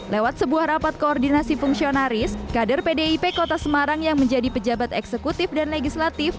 lewat sebuah rapat koordinasi fungsionaris kader pdip kota semarang yang menjadi pejabat eksekutif dan legislatif